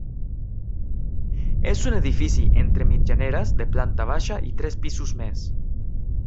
És un edifici entre mitjaneres de planta baixa i tres pisos més.